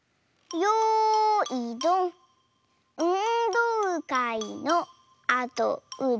「よいどんうんどうかいのあとうどん」。